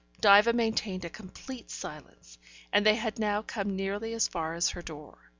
Diva maintained a complete silence, and they had now come nearly as far as her door.